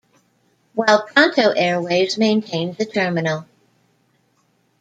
While Pronto Airways maintains a terminal.